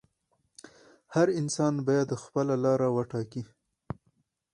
هر انسان باید خپله لاره وټاکي.